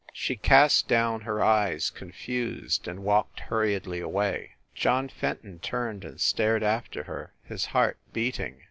She cast down her eyes, confused, and walked hurriedly away. John Fenton turned and stared after her, his heart beating.